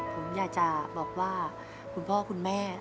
ผมอยากจะบอกว่าคุณพ่อคุณแม่